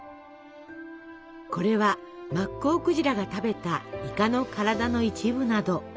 これはマッコウクジラが食べたイカの体の一部など。